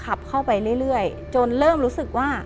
ขับเข้าไปเรื่อยจนเริ่มรู้สึกว่า